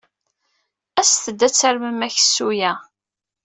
Aset-d ad tarmem seksu-a.